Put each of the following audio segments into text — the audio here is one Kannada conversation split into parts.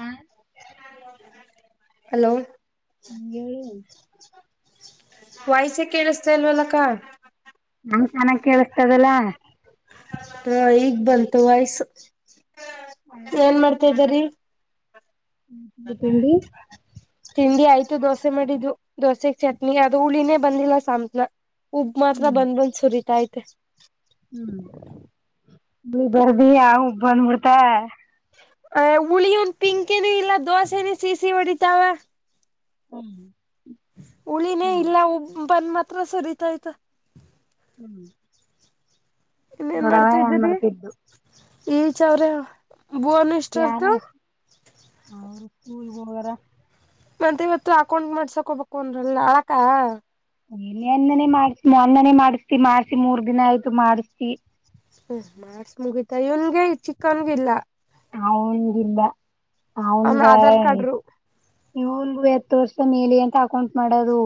ಹಾ ಹಲೋ ಏಳು ವಾಯ್ಸ ಕೇಳಿಸ್ತ ಇಲ್ವಲ್ಲಕ್ಕ ನಮ್ ಚೆನ್ನ ಕೇಳಸ್ತದಲ್ಲಾ ಹಾ ಈಗ್ ಬಂತು ವಾಯ್ಸ್ ಏನ್ ಮಾಡ್ತಾ ಇದ್ದರಿೀ ತಿಂಡಿ [unintelligible] ತಿಂಡಿ ಆಯ್ತು ದೋಸೆ ಮಾಡಿದ್ದು ದೋಸೆಗ್ ಚಟ್ನಿ ಅದು ಹುಳಿನೇ ಬಂದಿಲ್ಲ ಸಾತ್ನ ಉಬ್ ಮಾತ್ರ ಬಂದ್ ಬಂದ್ ಸುರಿತೈತೆ ಹ್ಮ್ಳ ದುಬರ್ದಿಯಾ ಹುಬ್ ಬಂದ್ಬಿಡ್ತ ಅ ಹುಳಿ ಒಂದ ಪಿಂಕ ಏನ ಇಲ್ಲ ದೋಸೆನ ಸಿಸಿ ಹೊಡಿತಾವ ಹ್ಮ್ [unintelligible] ಉಳಿನೇ ಹ್ಮ್ ಇಲ್ಲ ಹುಬ್ ಬಂದ ಮಾತ್ರ ಸರಿತಾಯ್ತ ಹ್ಮ್ [unintelligible] ಇನ್ನೇನ್ ನೋಡವ ಮಾಡ್ತಾ ಏನ್ ಇದೀರಿ ಮಾಡ್ತಿದ್ದು ಈಚ ಅವ್ರ ಭೂನ್ ಯಾರ ಅವರು ಸ್ಕೂಲ್ ಹೊಗಾರ್ ಮತ್ತೆ ಇವತ್ತು ಅಕೌಂಟ್ ಮಾಡ್ಸಾಕ್ ಹೋಗಬೇಕು ಅನ್ರಲ್ಲ ಅಳಕ್ಕ ನಿನ್ನೇನೆ ಮಾಡಸಿ ಮೊನ್ನೆನೇ ಮಾಡಿಸ್ತಿ ಮಾಡ್ಸಿ ಮೂರ್ ದಿನ ಆಯ್ತು ಮಾಡಿಸತಿ ಹ್ಮ ಮಾಡಸ ಮುಗಿತಾ ಇವನ್ಗೆ ಚಿಕ್ಕನ್ಗಿಲ್ಲ ಅವನ್ಗಿಲ್ಲ ಅವನ ಅವನ್ಗ ಆಧಾರ್ ಕಾರ್ಡ್ರು ಇವನ್ನಗುವೆ ತೋರ್ಸು ಮೇಲಿ ಅಂತ ಅಕೌಂಟ್ ಮಾಡೋದು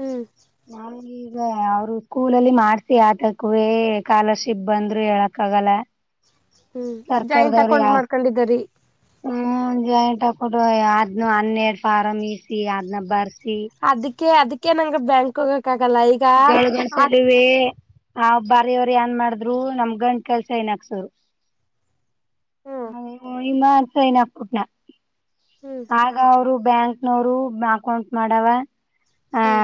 ಹ್ಮ್ ನಾ ಈಗ ಅವರು ಸ್ಕೂಲಲ್ಲಿ ಮಾಡ್ಸಿ ಆತಕ್ಕುವೇ ಸ್ಕಾಲರ್ಶಿಪ್ ಬಂದ್ರು ಹೇಳಕ್ಕ ಆಗಲ್ಲ ಹ್ಮ್ ಜಾಯಿಂಟ್ ಅಕೌಂಟ್ ಮಾಡ್ಕೊಂಡಿದರಿ ಹ್ಮ ಜಾಯಿಂಟ್ ಅಕೌಂಟ್ ಅದ್ನ ಹನ್ನೆರಡು ಫಾರಂ್ ಈಸಿ ಅದ್ನ ಬರ್ಸಿ ಅದಕ್ಕೆ ಅದಕ್ಕೆ ನಂ ಬ್ಯಾಂಕ್ ಹೋಗಕ್ಕ ಆಗಲ್ಲ ಈಗ ಆ ಗಸೇ ಆ ಬಾರವರು ಏನ್ ಮಾಡ್ರು ನಮ್ ಗಂಡ ಕೆಲ್ಸ ಏನಕ್ಸೋರು ಹ್ಮ್ ಅ ನಿಮ್ಮನ್ಸ ನಪ್ಪುಟ್ನ [unintelligible] ಹ್ಮ್ [inaudible] ಆಗ ಅವರು ಬ್ಯಾಂಕ್ನವರು ಅಕೌಂಟ್ ಮಾಡವ ಆ ಹ್ಮ್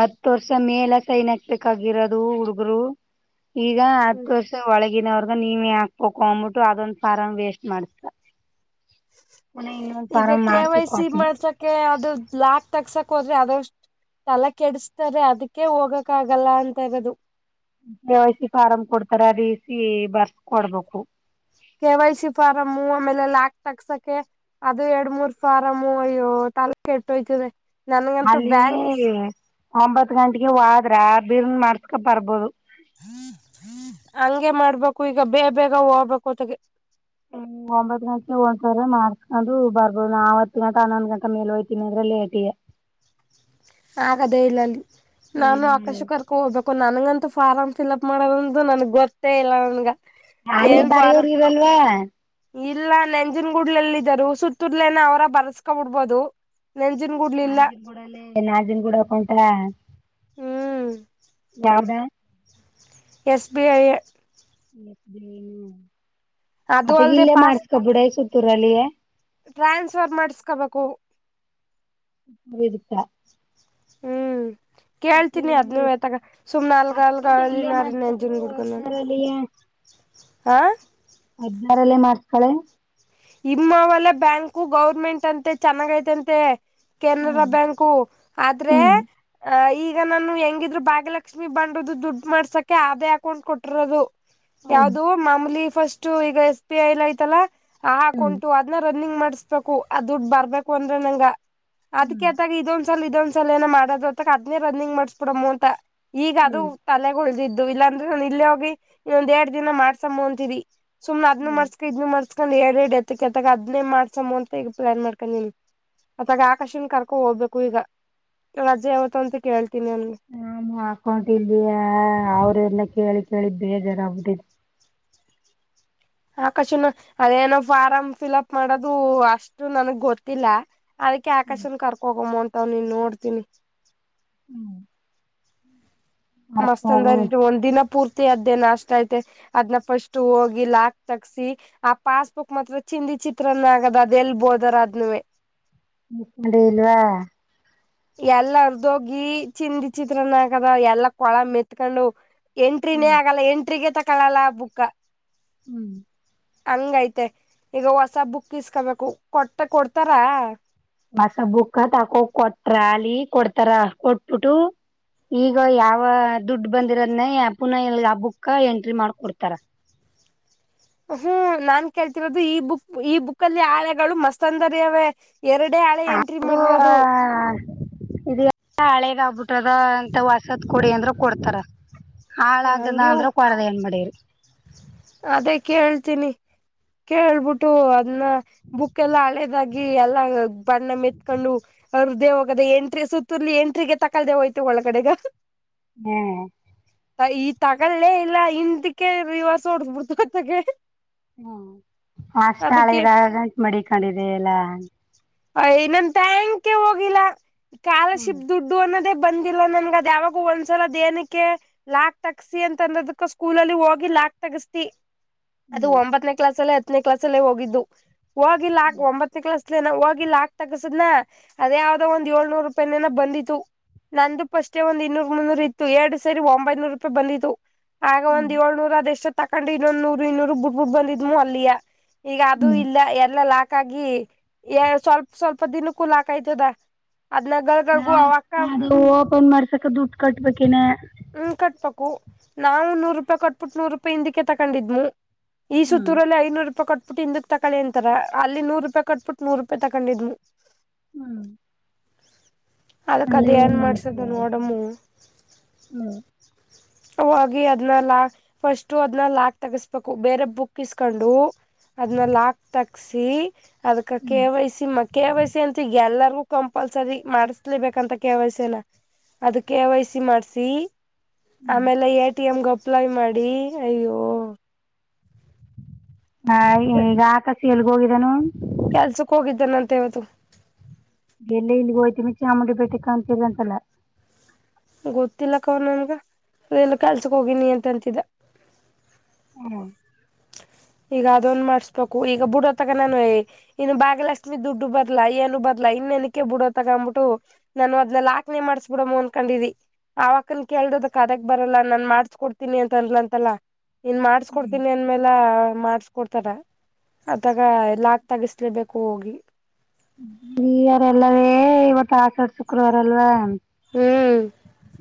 ಹತ್ತು ವರ್ಷ ಮೇಲ ಸೈನ್ ಹಾಕ್ಬೇಕಾಗಿರೋದು ಹುಡ್ಗರು ಈಗ ಹ್ಮ್ ಹತ್ತು ವರ್ಷ ಒಳಗೆ ಈಗಿನವರ್ಗ ನೀವೇ ಹಾಕ್ಕೋ ಅಂದಬಿಟ್ಟು ಅದೊಂದ್ ಫಾರಂ ವೇಸ್ಟ್ ಮಾಡ್ಸ್ತ ಮ ಇ [unintelligible] ಈಗ ಕೆ ವೈ ಸಿ ಮಾಡ್ಸಕೆ ಅದು ಬ್ಲ್ಯಾಕ್ ತಗ್ಸಕ್ ಹೋದ್ರಿ ಅದ ತಲೆ ಕೆಡಿಸತಾರೆ ಅದಕ್ಕೆ ಹೋಗಕ್ ಆಗಲ್ಲ ಅಂತ ಹರೋದು ಕೆ ವಯ್ಸಿ ಫಾರಮ್ ಕೊಡ್ತಾರೆ ರೆಸಿ ಬರ್ಸ್ ಕೊಡ್ಬೇಕು ಕೆವೈ ಶಿಫಾರಂ ಆ ಮೇಲೆ ಲ್ಲಾಕ್ ತಕ್ಸಕೆ ಅದು ಎರಡ್ ಮೂರ್ ಫಾರಮು ಅಯ್ಯೋ ತಾಲಕ ಎಟ್ಟೋಯ್ತದೆ ನನ್ಗಂತೂ ಅಲ್ಲಿ ಬ್ಯಾಂಕ್ಸ ಒಂಬತ್ ಗಂಟೆಗೆ ಹೋದ್ರ ಬೀರ್ನ್ ಮಾಡ್ಸ್ಕೊ ಬರ್ಬೋದು ಹಂಗೆ ಮಾಡ್ಬೇಕು ಈಗ ಬೇ ಬೇಗ ಹೋಗ್ಬೇಕು ಹೊತೆಗೆ ಹ್ಮ ಒಂಬತ್ ಗಂಟೆಗೆ ಹೋಗ್ರ ಮಾರ್ಸ್ಕೊಂಡು ಬರ್ಬೋದು ಆ ವತ್ ಗಂಟಾ ಹನ್ನೊಂದು ಗಂಟ ಮೇಲೆ ಹಯ್ತೀನಿ ಅಂದ್ರೆ ಲೇಟಿಗೆ ಆಗದೇ ಇಲ್ಲಲ್ಲಿ ನಾನು ಆಕಾಶ ಹ್ಮ್ ಕರ್ಕ ಹೋಗ್ಬೇಕು ನನ್ಗಂತು ಫಾರಮ್ ಫಿಲ್ಅಪ್ ಮಾಡದಂದು ನನ್ಗ್ ಗೊತ್ತೇ ಇಲ್ಲ ನನ್ಗ. ಅಲ್ಲಿ ಏನ್ ಫಾರಂ ಬರಿಯವರಿರಲ್ಲ. ಇಲ್ಲ ನೆಂಜನ್ಗುಡ್ಲಲ್ಲಿ ಇದರು ಹುಸುತ್ತೂರ್ಲೆನ ಅವರ ಬರಸ್ಕೊಬ ಬಿಡ್ಬೋದು. ನೆಂಜನ್ ಕೂಡ್ಲಿಲ್ಲ. ಬುಡಲೇ ನಾಜನ್ ಗೂಡಕಂಟ್ರ ಹ್ಮ್ ಯಾವ್ದ. S B I A. S B I ಅದು ಅತ್ತ ಅಲ್ಲದೆ ಇಲ್ಲೆ ಪಾಸ್ ಮಾಡ್ಸಕಬುಡೆ ಸುತ್ತರಲ್ಲಿ. ಟ್ರಾನ್ಸ್ಫರ್ ಮಾಡ್ಸ್ಕೋಬೇಕು. ಇದ್ಕ. ಹ್ಮ್ ಕೇಳ್ತೀನಿ ಅದ್ನು ಸುತ್ತೂರಲ್ಲಿ ಅತಾಗ ಸುಮ್ನಾ ಅಲ್ ಗಲ್ ಹತ್ತು ಗಂಟೆ ಇಲ್ಲೇ ಗಲ್ ನಂಜನ್ ಮಾಡ್ಸ್ಕೊಬಿಡು ಗುಡ್ಗ ನು. ಹದ್ನಾರಲ್ಲಿಯ ಹಾ ಹದ್ನಾರಲ್ಲೇ ಮಾಡ್ಸ್ಕಳೆ. ಇಮ್ಮ ಅವಲ್ಲ ಬ್ಯಾಂಕು ಗೌರ್ಮೆಂಟ್ ಅಂತೆ ಚೆನ್ನಾಗ ಐತೆಂತೆ ಕೆನರಾ ಹ್ಮ್ ಬ್ಯಾಂಕು. ಆದ್ರೆ ಹ್ಮ್ ಆ ಈಗ ನಾನು ಹೆಂಗಿದ್ರು ಭಾಗ್ಯಲಕ್ಷ್ಮಿ ಬಂಡದು ದುಡ್ ಮಾಡ್ಸಕೆ ಅದೇ ಹಾಕೊಂಡ್ ಕೊಟ್ಟಿರೋದು. ಹ್ಮ್ ಯಾವ್ದು ಮಾಮೂಲಿ ಫಸ್ಟ್ ಈಗ ಎಸ್ ಬಿ ಐಲ್ ಐತಲ್ಲಾ ಆ ಹ್ಮ್ ಹಾಕೊಂಟು. ರನ್ನಿಂಗ್ ಮಾಡಿಸ್ಬೇಕು ಅ ದುಡ್ಡು ಬರ್ಬೇಕು ಅಂದ್ರೆ ನಂಗ ಅದಕ ಹ್ಮ್ ಆದಗ ಇದೊಂದ್ ಸಲ್ ಇದೊಂದ್ ಸಲ ಏನ ಮಾಡೋದತ್ತ ಅದನೇ ರನ್ನಿಂಗ್ ಮಾಡ್ಸ್ಬಿಡಮ್ಮ್ ಅಂತ ಈಗ ಅದು ಹ್ಮ್ ತಲೆಗ ಉಳ್ದಿದ್ದು ಇಲ್ಲಾಂದ್ರೆ ನಾನ ಇಲ್ಲೇ ಹೋಗಿ ಇನೊಂದ್ ಎರಡ್ ದಿನ ಮಾಡ್ಸಮ್ಮ ಅಂತೀರಿ ಸುಮ್ನೆ ಅದನ್ನು ಹ್ಮ್ ಮಾಡಸ್ ಇದ್ ಮಾಡ್ಸ್ಕೊಂಡ್ ಎರಡ್ ಎತ್ತಕ್ ಎತ್ತಕ್ ಅದನೇ ಮಾಡ್ಸಮ್ಮ ಅಂತ ಈಗ ಪ್ಲಾನ್ ಮಾಡ್ಕೊಂಡಿನಿ. ಅತಾಗ ಆಕಾಶನ್ ಕರ್ಕೋ ಹೋಗ್ಬೇಕು ಈಗ ರಜೆ ಯಾವತ್ತು ಅಂತ ಕೇಳ್ತೀನಿ ನನ್ ನಾಮ ಹಾಕೊಟಲ್ಯ ಅವ್ರಲ್ಲ ಕೇಳಿ ಕೇಳಿ ಬೇಜಾರಾಗ್ಬಿಟ್ಟಿದ್ ಆಕಶನ ಅದೇನೋ ಫಾರಂ ಫಿಲ್ಅಪ್ ಮಾಡೋದು ಅಷ್ಟು ನನ್ಗ್ ಗೊತ್ತಿಲ್ಲ. ಅದಕ್ಕೆ ಆಕಾಶನ್ ಕರ್ಕೋಗಮ್ಮ ಅಂತ ಅವ್ ನೀನ್ ನೋಡ್ತೀನಿ. ಮರ್ತ್ ಮಸ್ತ್ ಅಂದ ಹೋಗು ಒಂದ್ ದಿನ ಪೂರ್ತಿ ಅದೇ ನಾಷ್ಟ ಐತೆ. ಅದ್ನ್ನ ಫಸ್ಟ್ ಹೋಗಿ ಲಾಕ್ ತಕ್ಸಿ ಆ ಪಾಸ್ಬುಕ್ ಮಾತ್ರ ಚಿಂದಿ ಚಿತ್ರಾನ್ನ ಆಗದ ಅದ ಎಲ್ಬೋದರ ಅದನವೇ. ಮುಕೊಂಡಿ ಇಲ್ವಾ. ಎಲ್ಲ ಅರ್ದೋಗಿ ಚಿಂದ ಚಿತ್ರನ್ನ ಹಾಕದ ಎಲ್ಲಾ ಕೊಳ ಮೆತ್ಕೊಂಡು. ಎಂಟ್ರಿನೇ ಹ್ಮ್ ಆಗಲ್ಲ ಎಂಟ್ರಿಗೆ ತಕಳಲ್ಲ ಆ ಬುಕ. ಹ್ಮ್ ಹಂಗ ಐತೆ ಈಗ ಹೊಸ ಬುಕ್ ಇಸ್ಕೊಬೇಕು ಕೊಟ್ಟ ಕೊಡ್ತಾರ. ಮಸ ಬುಕ್ಕ ತಾಕೋ ಕೊಟ್ರ ಅಲಿ ಕೊಡ್ತಾರ ಕೊಟ್ಬಿಟ್ಟು ಈಗ ಯಾವ ದುಡ್ ಬಂದಿರೋದನ್ನೇ ಪುನಃ ಎಲ್ ಆ ಬುಕ್ ಎಂಟ್ರಿ ಮಾಡ್ಕೊಡ್ತಾರ. ಹ್ಮ್ ನಾನ್ ಕೇಳ್ತಿರೋದು ಈ ಬುಕ್ ಈ ಬುಕಲಿ ಆಳೆಗಳು ಮಸ್ತ ಅಂದರಿ ಅವೆೇ. ಎರಡೇ ಆಳೆ ಎಂಟ್ರಿ ಅದು ಮಾಡಿರೋದು. ಹಳೇದಾಗ್ಬುಟ್ಟದ ಅಂತ ಹೊಸಾದ್ ಕೊಡಿ ಅಂದ್ರ ಕೊಡ್ತಾರ. ಹಾಳಾಗದ ಹಂಗೆ ಅಂದ್ರ ಕೊಡದಣ ಮಾಡಡೀರಿ. ಅದೇ ಕೇಳ್ತೀನಿ ಕೇಳ್ಬಿಟ್ಟು ಅದನ್ನ. ಬುಕ್ ಎಲ್ಲಾ ಹಳೆದಾಗಿ ಎಲ್ಲಾ ಬಣ್ಣ ಮೆತ್ಕೊಂಡು. ಅರ್ದೆ ಹೋಗೋದೆ ಎಂಟ್ರಿ ಸುತ್ತೂಲಿ ಎಂಟ್ರಿಗೆ ತಕಲ್ದೆೇ ಹೋಯ್ತು ಒಳಗಡೆಗ. ಹ್ಮ್ ಈ ತಗಲ್ಲೆ ಇಲ್ಲ ಹಿಂದಕೆ ರಿವರ್ಸ್ ಹೊಡ್ದ ಬಿಡ್ತು ಅತ್ತಗೆ. ಹ್ಮ್ ಅಷ್ಟ ಅದಕ್ಕೆ ಹಳೆದಾಗಂಟ್ ಮಾಡಿಕಂಡಿದೀ ಎಲ್ಲಾ. ಐ ನನ್ ಥ್ಯಾಂಕ್ ಯು ಹೋಗಿಲ್ಲ ಹ್ಮ್ ಕಾಲರ್ಶಿಪ್ ದುಡ್ಡು ದು ಅನ್ನೋದೇ ಬಂದಿಲ್ಲ ನನ್ಗ ಅದ ಯಾವಾಗೂ ಒಂದ್ಸಲದೇನಕ್ಕೆ ಲಾಕ್ ತಗಸಿ ಅಂತ ಅಂದಿದಕ್ಕ ಸ್ಕೂಲಲ್ಲಿ ಹೋಗಿ ಲಾಕ್ ತಗಸ್ತಿ. ಅದು ಹ್ಮ್ ಒಂಬತ್ತನೇ ಕ್ಲಾಸ್ಲ್ಲೇ ಹತ್ತನೇ ಕ್ಲಾಸ್ಲ್ಲೇ ಹೋಗಿದ್ದು ಹೋಗಿಲ್ಲ ಹ್ಮ್ ಒತ್ತು ಕ್ಲಸ್ನ ಹೋಗಿ ಲಾಕ್ ತೆಗ್ಸಿಡ್ನ ಅದ ಯಾವ್ದೋ ಒಂದ್ಏಳ್ನೂರು ರೂಪಾಯೇನ ಬಂದಿತು. ನಂದು ಪಷ್ಟೇ ಒಂದ್ ಇನ್ನೂರು ಮುನ್ನೂರು ಇತ್ತು ಎರಡು ಸರಿ ಒಂಬೈನೂರು ರೂಪಾಯಿ ಬಂದಿದ್ದು. ಆಗ ಒಂದ್ ಹ್ಮ್ ಏಳ್ನೂರ ಅದ ಎಷ್ಟ ತಕೊಂಡ್ ಇನ್ನೊಂದ್ ನೂರು ಇನ್ನೂರ್ ಬಿಟ್ಬುಡ್ ಬಂದಿದ್ದು ಅಲ್ಲಿಯ ಈಗ ಅದು ಹ್ಮ್ ಇಲ್ಲ ಎಲ್ಲ ಲಾಕ್ ಆಗಿ ಸ್ವಲ್ಪ ಸ್ವಲ್ಪ ದಿನಕ್ಕೂ ಲಾಕ್ ಆಯ್ತದ. ನಾ ಅದ್ಲಗಳದರ್ಗೂ ಅವಕ್ಕ ಅದು ಓಪನ್ ಮಾಡಿ ಕಾಕಾ ದುಡ್ಡು ಕಟ್ಬೇಕ ಇನ್ನ? ಹ್ಮ ಕಟ್ಬೇಕು ನಾವು ನೂರು ರೂಪಾಯಿ ಕೊಟ್ಬಿಟ್ಟು ನೂರು ರೂಪಾಯಿ ಹಿಂದಕ್ಕೆ ತಗೊಂಡಿದ್ನಿ. ಈ ಹ್ಮ್ ಸುತ್ತೂರಲ್ಲಿ ಐನೂರು ರೂಪಾಯಿ ಕೊಟ್ಟ ಬಿಟ್ಟೂ ಹಿಂದಕ್ಕ ತಕಲ್ಲಿ ಅಂತಾರ ಅಲ್ಲಿ ನೂರು ರೂಪಾಯಿ ಕಟ್ಬಿಟ್ಟು ನೂರು ರೂಪಾಯಿ ತಗೊಂಡಿದ್ನಿ. ಹ್ಮ್. ಅದಕ್ ಅಲ್ಲೆ ಅದ ಹ ಏನ್ ಮಾಡ್ಸದ ಮಾಡ ನೋಡಮ್ಮು ಹ್ಮ್. ಹೋಗಿ ಅದ್ನ ಲಾಕ್ ಫಸ್ಟು ಅದ್ನಲ್ಲ ಲಾಕ್ ತಗಸ್ಬೇಕು ಬೇರೆ ಬುಕ್ ಇಸ್ಕೊಂಡು ಅದ್ನ್ ಲಾಕ್ ತಗ್ಸಿ ಅದಕ್ಕ ಕೆ ವೈ ಸಿ ಮಾಡಿ ಕೆ ವೈ ಸಿ ಅಂತ ಈಗ ಎಲ್ಲಾರ್ಗೂ ಕಂಪಲ್ಸರಿ ಮಾಡಸ್ಲೇಬೇಕಂತ ಕೆ ವೈ ಸಿ ನ ಅದ ಕೆ ವೈ ಸಿ ಮಾಡಸಿ ಆಮೇಲೆ ಎ ಟಿ ಎಮ್ಗೆ ಅಪ್ಲೈ ಮಾಡಿ ಅಯ್ಯೋ ಹಾ ಹಿಂಗಾತ ಅಂತ ಎಲ್ಲಿಗೋ ಹೋಗಿದನು. ಕೆಲ್ಸಕ್ ಹೋಗಿದ್ದಾನ ಅಂತ ಹೇಳ್ತಾನ. ಇಲ್ಲಿ ಇಲ್ಲಿಗೆ ಹೋತಿವಿ ಚಾಮುಂಡಿ ಬೆಟ್ಟೆಕ ಕಾಣಂತಿದರಂತಲ್ಲ. ಗೊತ್ತಿಲ್ಲ ಅಕ್ಕ ಅವ್ರ ನಂಗ ಎನು ಕಾಸಕ್ ಹೋಗಿನಿ ಅಂತಿದ್ದೆ. ಹ್ಮ. ಈಗ ಅದೊಂದ ಮಾಡ್ಸ್ಬೇಕು ಈಗ ಬಿಡತ್ತಗ ನಾನು ಏ ಇನ್ನು ಭಾಗಲಕ್ಷ್ಮಿ ದುಡ್ಡು ಬದಲಾ ಏನು ಬದಲಾ ಇನ್ನ ನನಕ್ಕೆ ಬಿಡೋ ತೊಗೊಂಡ ಬಿಟ್ಟು ನಾನು ಅದ್ನೆಲ್ಲಿ ಹಾಕನೆ ಮಾಡ್ಸ್ಬ ಬಿಡಮ್ಮ ಅಂದಕೊಂಡಿದ್ದಿ. ಆವ ಆಕ್ಕನ್ ಕೇಳದಕ್ ಅದಕ್ ಬರಲ್ಲ ನಾನ್ ಮಾಡ್ಸ್ಕ ಕೊಡ್ತೀನಿ ಅಂತ ಅಂದಲಂತಲ್ಲ. ನೀನ್ ಮಾಡ್ಸ್ಕ ಕೊಡ್ತೀನಿ ಅಂದ್ಮೇಲ ಮಾಡಸ್ಕೊಡ್ತಾರ ಅದಾಗ ಎ ಲಾಕ್ ತೆಗಿಸಲೇಬೇಕು ಹೋಗಿ ಈ ಅವರೆಲ್ಲವೇ ಇವತ್ತು ಆಶಾಡ್ ಶುಕ್ರವಾರ ಅಲ್ವಾ? ಹ್ಮ್.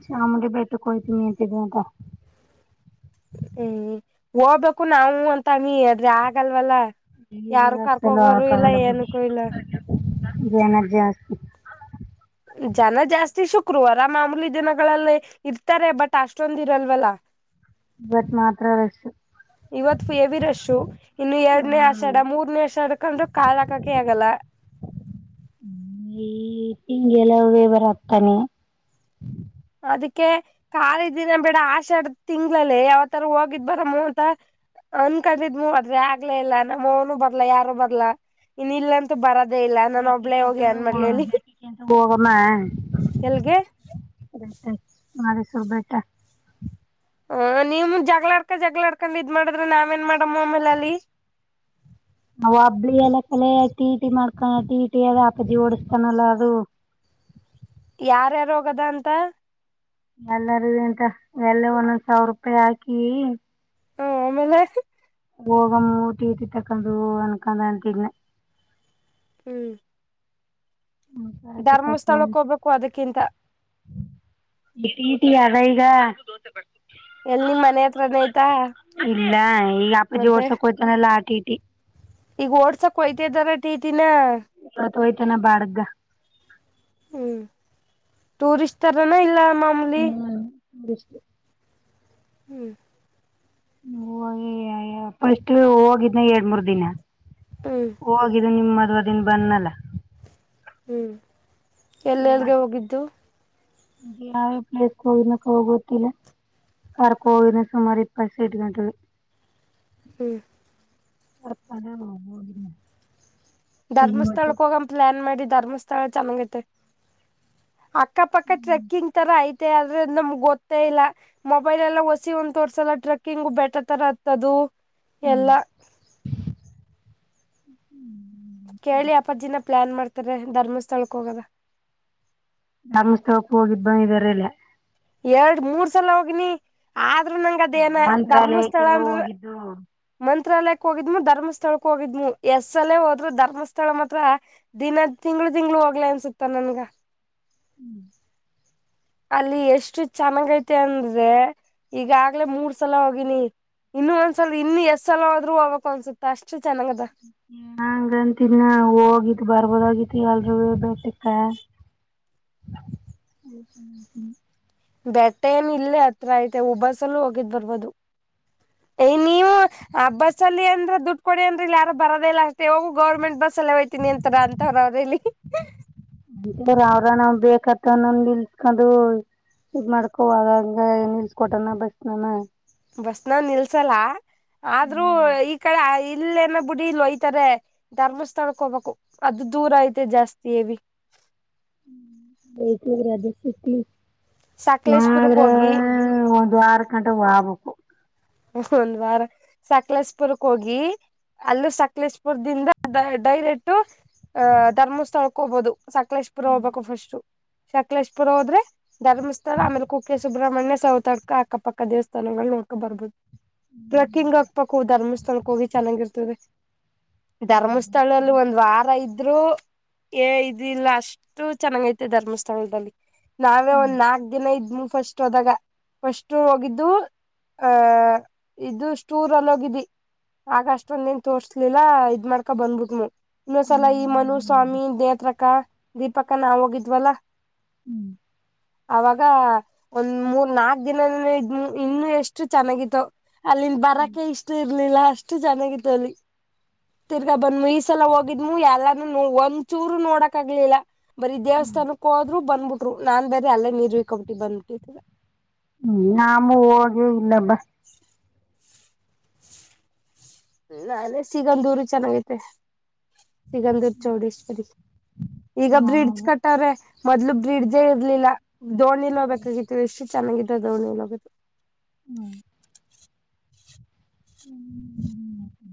ಚಾಮುಂಡಿ ಬೆಟ್ಟಕ್ಕ ಹೋತಿನಿ ಅಂತಿದ್ದಿ ಅಂತ್ಲಾ ಹ್ಮ್ ಹೋಗ್ಬೇಕು ನಾವು ಅಂತನೀ ಆದ್ರ ಆಗಲಲ್ಲ. ಈಗ ಯಾರು ಅಸಲು ಕರ್ಕೋಗೋರು ಇಲ್ಲ ಹಾಕಾಗಲ್ಲ ಬಿಡಿ ಏನಕ್ಕೂ ಇಲ್ಲ. ಜನ ಜಾಸ್ತಿ ಜನ ಜಾಸ್ತಿ ಶುಕ್ರವಾರ ಮಾಮೂಲಿ ದಿನಗಳಲ್ಲಿ ಇರ್ತಾರೆ ಬಟ್ ಅಷ್ಟೊಂದ್ ಇರಲ್ವಲ್ಲ. ಬಟ್ ಮಾತ್ರ ರಶ್ ಇವತ್ತ ಹೆವಿ ರಶು ಇನ್ನು ಎರಡನೇ ಹ್ಮ್ ಆಷಾಢ ಮೂರ್ನೇ ಆಷಾಢಕ ಅಂದ್ರೆ ಕಾಲ ಹಾಕಕೆ ಆಗಲ್ಲ. ಈ ಹಿಂಗೆಲ್ಲಾ [unintelligible] ಅದಕ್ಕೆ ಖಾಲ ದಿನ ಬಿಡ ಆಷಾಡ್ ತಿಂಗಳಲ್ಲಿ ಯಾವತಾರ ಹೋಗಿ ಬರುನು ಅನ್ಕೊಂಡಿದ್ಡ ಮೂ ಅದ್ರಿ ಆಗ್ಲೇ ಇಲ್ಲ ನಮ್ಮವರು ಬರಲ್ಲ ಯಾರು ಬರಲ್ಲ. ಇನ್ ಇಲ್ಲಂತೂ ಬರದೇ ಇಲ್ಲ ನಾನ್ ಒಬ್ಳೇ ಬೆಟ್ಟಕ್ಕಿಂತ ಹೋಗಿ ಅನ್ ಮಾಡ್ಲಿ ಹೇಳಿ ಬೆಟ್ಟಕ್ಕಿಂತ ಎಲ್ಲಿಗೆ? ೇಟ ಮಸೂರು ಬೇಟ [unintelligible] ಹ ನೀಮ್ ಜಗಳಾಡ್ಕ ಜಗಳಾಡ್ಕಂಡ್ ಇದ್ ಮಾಡಿದ್ರೆ ನಾಮ್ ಏನ್ ಮಾಡಮ್ಮ ಆಮೇಲೆ ಅಲ್ಲಿ? ನಾವು ಓಬ್ಳಿ ಎಲ್ಲ ಕಲ್ಲೆ ಟಿ. ಟಿ ಮಾಡ್ಕ ಟಿ. ಟಿ ಅದ ಅಪ್ಪಾಜಿ ಓಡಸ್ತಾನಲ್ಲ ಅದು ಯಾರ್ಯ ಹೋಗದ ಅಂತ? ಎಲ್ಲಾರ ಎಂತ ಎಲ್ಲ ಒಂದೊಂದ್ ಸಾವಿರ ರೂಪಾಯಿ ಹಾಕಿ, ಹ್ಮ್ ಆಮೇಲೆ. ಹೋಗಮ್ಮ ಟಿ ಟಿ ತಕೊಂಡು ಅನ್ಕೊಂದ್ ಅಂತಿದ್ನ. ಹ್ಮ್ ಆಯ್ತು ತಾತ ಧರ್ಮಸ್ಥಳಕ್ಕೆ ಹೋಗ್ಬೇಕು ಅದಕ್ಕಿಂತ. ಟಿ. ಟಿ ಅದ ಈಗ. ಎಲ್ ನಿಮ್ ಮನೆ ಹತ್ರನೇ ಐತಾ ಇಲ್ಲ ಈಗ ಅಪ್ಪಾಜಿ ಮತ್ತೆ ಓಡ್ಸಕ್ ಹೋಯ್ತಾನೆಲ್ಲಾ ಆ ಟಿ. ಟಿ ಈಗ ಓಡ್ಸಕ್ ಹೊಯ್ತಿದಾರ ಟಿ. ಟಿ. ನಾ? ತಾಕಹೋಯ್ತನ ಬಾಡಿಗ. ಹ್ಮ್ ಟೂರಿಸರಿಸ್ಟ್ರನ ಇಲ್ಲ ಮಾಮ್ ಹಷ್ಟ [unintelligible] ಹ್ಮ್ ಫಾಸ್ಟ್ ಹೋಗಿದ್ನ ಎರಡ್ ಮೂರ್ ದಿನ. ಹ್ಮ್ ಹೋಗಿದ್ದು ನಿಮ್ಮ ಮದ್ವ ದಿನ ಬಂದ್ನಲ್ಲ ಹ್ಞ ಎಲ್ ಎಲ್ ಎಲ್ಲಿಗೆ ಹೋಗಿದ್ದು? ಯಾವೇ ಪ್ಲೇಸ್ ಹೋಗಿನ ಕವಾ ಗೊತ್ತಿಲ್ಲ? ಕರ್ಕೋಗಿದ್ನ ಸುಮಾರ ಇಪ್ಪತ್ತು ಸಿಟ್ ಗಂಟಲುವ ಹ್ಮ್ ಅಪ್ಪ ಹ ಹೋಗ [unintelligible] ಧರ್ಮಸ್ಥಳಕ್ಕ ಹೋಗ ಪ್ಲಾನ್ ಮಾಡಿ ಧರ್ಮಸ್ಥಳ ಚೆನ್ನಾಗೈತೆ ಅಕ್ಕಪಕ್ಕ ಟ್ರೆಕ್ಕಿಂಗ್ ತರ ಐತೆ ಆದ್ರ ನಮ್ಗ್ ಗೊತ್ತೇ ಇಲ್ಲ? ಮೊಬೈಲ್ ಎಲ್ಲ ಹೊಸಿ ಒಂತೋರ್ಸಲ ಟ್ರೆಕ್ಕಿಂಗ್ ಬೆಟರ್ ತರ ಆತದು ಎಲ್ಲಾ. ಕೇಳಿ ಅಪ್ಪಾಜಿನ ಪ್ಲಾನ್ ಮಾಡ್ತಾರೆ. ಧರ್ಮಸ್ಥಳಕ್ ಹೋಗವಾ ಧರ್ಮಸ್ಥಳಕೋ ಹೋಗಿದ್ ಬಂದಿದ್ದಾರೆಲ್ಲ? ಎರಡ್ ಮೂರ್ ಸಲ ಹೋಗನಿ ಆದ್ರೂ ನಂಗ ಅದೇನ ಧರ್ಮಸ್ಥಳ ಮಂತ್ರಾಲಯಕ್ಕೆಲ್ಲ ಅಂದ್ರ ಹೋಗಿದ್ದು ಮಂತ್ರಾಲಯಕ್ ಹೋಗಿದ್ಮು ಧರ್ಮಸ್ಥಳಕ್ ಹೋಗಿದ್ಮ್ ಎಸ್ ಎಲ್ಲ ಹೋದ್ರರು ಧರ್ಮಸ್ಥಳ ಮಾತ್ರ. ದಿನ ತಿಂಗ್ಳ ತಿಂಗ್ಳ ಹೋಗ್ಲ ಅನ್ಸುತ್ತ ನನ್ಗ. ಹ್ಮ್ ಅಲ್ಲಿ ಎಷ್ಟು ಚೆನ್ನಾಗ ಐತೆ ಅಂದ್ರೆ ಈಗಾಗ್ಲೇ ಮೂರ್ ಸಲ ಹೋಗಿನಿ. ಇನ್ನು ಒಂದ್ಸಲ ಇನ್ನು ಎಸ್ ಸಲ ಹೋದ್ರು ಹೋಗ್ಬೇಕು ಅನ್ಸುತ್ತ ಅಷ್ಟು ಚೆನ್ನಾಗದ ಹಂಗಂತಿನ ಹೋಗಿದ ಬರ್ಬೋದಗಿತಿ ಎಲರುವ ಬೆಟುಕ ಹೌ [inaudible] ಬೆಟ್ಟ ಏನು ಇಲ್ಲೇ ಹತ್ರ ಐತೆ ಎ ಊ ಬಸ್ಸ್ಲೂ ಹೋಗಿದ್ ಬರ್ಬೋದು. ಏ ನೀವು ಆ ಬಸ್ ಅಂದ್ರೆ ದುಡ್ಡು ಕೊಡಿ ಅಂದ್ರ ಇಲ್ಲಿ ಯಾರ ಬರೋದ ಇಲ್ಲ ಅಷ್ಟೇ ಹೋಗು ಗಾವಮೆಂಟ್ ಬಸ್ಲ್ ಹೋಯ್ತೀನಿ ಅಂತರ ಅಂತ ರ್ರಲ್ಲಿ [unintelligible] ಅವ್ರ ನಾವ್ ಬೇಕದ್ ತಮ್ ನಾವ್ ನಿಲ್ತ್ಕೊಂಡ ಇದ್ ಮಾಡ್ಕೋಂಗ ಹೋಗಾಗ ನಿಲ್ಸ್ಕೊಟನ ಬಸ್ ನಾಮಾ ಬಸ್ನ ನಿಲ್ಸಲ್ಲ ಆದ್ರೂ ಈ ಕಡೆ ಇಲ್ಲೇಏನ ಬಿುಡಿ ಇಲ್ಲಿ ಒಯ್ತಾರೆ [unintelligible] ಧರ್ಮಸ್ಥಳಕ್ಕೆ ಹೋಗ್ಬೇಕು ಅದು ದೂರ ಐತೆ ಜಾಸ್ತಿ ಹೇವಿ ಹ್ಮ ಬೇಕಿದ್ರೆ ಅದೆ ಸಿಟ್ಲಿ. ಸಕ್ಲೇಶಪುರುಕ್ ಕೋಗಿ. ಹ್ಮ ಒಂದ್ ವಾರ್ ಕಂಟ ವಾಗ್ಬಕು. ಎಸ್ಟು ಒಂದ್ ವಾರ ಸಕ್ಲೇಶಪುರುಕ್ ಕೋಗಿ. ಅಲ್ಲೂ ಸಕ್ಲೇಶಪುರ್ದಿಂದ ಡ ಡೈರೆಕ್ಟ್ ಅ ಧರ್ಮಸ್ಥಳಕ್ ಹೋಗ್ಬೋದು. ಸಕ್ಲೇಶಪುರ ಹೋಗ್ಬೇಕು ಫಸ್ಟ್ ಸಕ್ಲೇಶಪುರ ಹೋದ್ರೆ ಧರ್ಮಸ್ಥಳ ಆಮೇಲೆ ಕುಕ್ಕೆ ಸು ರಮಣ್ಯ ಸೌತಡ್ಕ ಅಕ್ಕಪಕ್ಕ ದೇವಸ್ಥಾನಗಳು ನೋಡ್ಕ ಬರ್ಬದು. ಟ್ರೆಕ್ಕಿಂಗ್ ಹಕ್ ಪಕ್ಕು ಧರ್ಮಸ್ಥಳಕ್ಕೆ ಹೋಗಿ ಚೆನ್ನಾಗಿರ್ತದೆ. ಧರ್ಮಸ್ಥಳಲ್ಲಿ ಒಂದ್ ವಾರ ಇ ದ್ರು ಏ ಇದಿಲ್ಲ ಅಷ್ಟು ಚೆನ್ನಾಗೖತೆ ಧರ್ಮಸ್ಥಳದಲ್ಲಿ. ನಾವೇ ಒನ್ ನಾಕ್ ದಿನ ಇದ್ ಮುಗ್ಸೊಸ್ಟದಗ ಫಸ್ಟ್ ಹೋಗಿದ್ದು ಅ. ಇದು ಸ್ಟೂರ್ ಅಲ್ಲೋಗಿದಿ. ಆಗ ಅಷ್ಟೊಂದ್ ನೀನ್ ತೋರ್ಸ್ಲಿಲ್ಲ ಇದ್ ಮಾಡ್ಕ ಬಂದ್ಬಿಟ್ಮು. ಇನ್ನೊಸಲ ಈ ಮನುಸ್ವಾಮಿ ನೇತ್ರಕ ದೀಪಕ ನಾವ ಹೋಗಿದ್ವಲ್ಲ. ಹ್ಮ್ ಅವಾಗ ಒನ್ ಮೂರ್ ನಾಕ್ ದಿನ [unintelligible] ಇನ್ನು ಎಷ್ಟು ಚೆನ್ನಾಗಿತ್ತೊ. ಅಲ್ಲಿನ್ ಬರಾಕೆ ಇಷ್ಟ ಇರ್ಲಿಲ್ಲ ಅಷ್ಟು ಚೆನ್ನಾಗಿತ್ತು ಅಲ್ಲಿ. ತಿರ್ಗಾ ಬಂದ್ಮು ಈ ಸಲ ಹೋಗಿದ್ಮು ಎಲ್ಲಾರ್ನೊ ಒನ್ಚೂರು ನೋಡಕ್ ಆಗ್ಲಿಲ್ಲ. ಬರೀ ದೇವಸ್ಥಾನಕ್ ಹೋದ್ರು ಬಂದ್ಬುಟ್ರು ನಾನ್ ಬೇರೆ ಅಲ್ಲೇ ನೀರ್ವಕೊಬಟ್ಟಿ ಬಂದ್ಬಿಟ್ಟಿ ಇತ್ತಗ. ಹ್ಮ್ ನಾಮೂ ಹೋಗೇ ಇಲ್ಲ ಬ. ನಾನೆ ಸಿಗಂದುರು ಚೆನ್ನಾಗೈತೆ. ಸಿಗಂದೂರ್ ಚೌಡೇಶ್ವರಿ. ಈಗ ಬ್ರಿಡ್ಜ್ ಕಟ್ಟವ್ರೆ ಮೊದ್ಲು ಬ್ರಿಡ್ಜೇ ಇರ್ಲಿಲ್ಲ ದೋಣಿಲ ಹೋಗ್ಬೇಕಾಗಿ ಎಷ್ಟು ಚೆನ್ನಾಗಿತ್ತ ದೋಣಿಲಿ. [unintelligible] ಹ್ಮ್ ಹ್ಮ್.